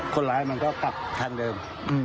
คนร้ายมันก็กลับทางเดิม